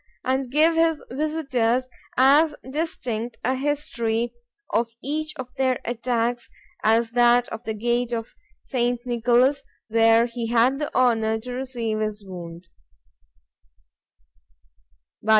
and give his visitors as distinct a history of each of their attacks, as of that of the gate of St. Nicolas, where he had the honour to receive his wound.